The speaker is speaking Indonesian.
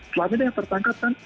selama ini yang tertangkap kan